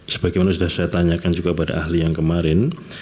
sebagaimana sudah saya tanyakan juga pada ahli yang kemarin